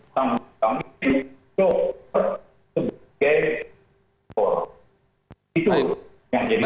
dan kami tidak bisa